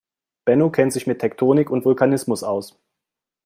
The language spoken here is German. Benno kennt sich mit Tektonik und Vulkanismus aus.